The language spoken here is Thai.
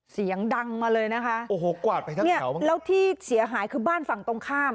เสียงดังมาเลยนะคะแล้วที่เสียหายคือบ้านฝั่งตรงข้าม